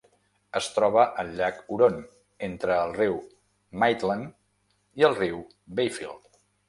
Es troba al llac Huron entre el riu Maitland i el riu Bayfield.